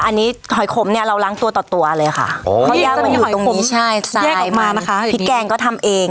อันนี้คือแบรนด์ติดตู้นะคะอาหารแช่แข็ง